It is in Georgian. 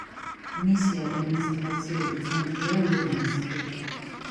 მისი ადმინისტრაციული ცენტრია ლუგანსკი.